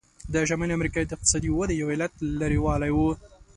د شمالي امریکا د اقتصادي ودې یو علت لرې والی و.